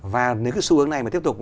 và nếu cái xu hướng này mà tiếp tục